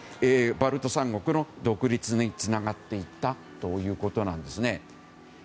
バルト三国の独立につながっていったということなんですね。